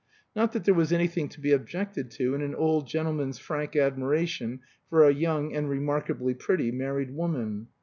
Not that there was anything to be objected to in an old gentleman's frank admiration for a young (and remarkably pretty) married woman.